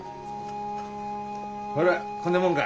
ほらこんなもんが？